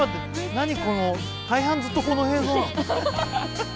何この大半ずっとこの映像なの？